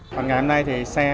còn ngày hôm nay thì xe